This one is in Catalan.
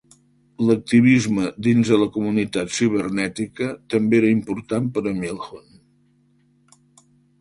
L'activisme dins de la comunitat cibernètica també era important per a Milhon.